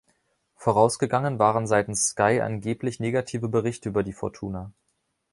Vorausgegangen waren seitens Sky angeblich negative Berichte über die Fortuna.